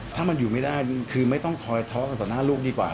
ถ้ามันอยู่ไม่ได้คือไม่ต้องคอยท้อกันต่อหน้าลูกดีกว่า